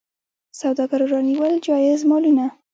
سوداګرو رانیول جایز مالونه.